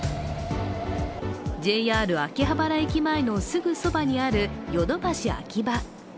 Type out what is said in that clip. ＪＲ秋葉原駅前のすぐそばにあるヨドバシＡｋｉｂａ。